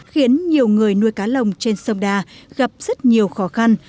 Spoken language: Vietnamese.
khiến nhiều người nuôi cá lồng trên sông đà gặp rất nhiều khó khăn